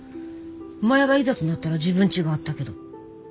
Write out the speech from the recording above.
前はいざとなったら自分ちがあったけど。